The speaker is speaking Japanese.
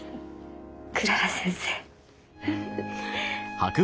クララ先生。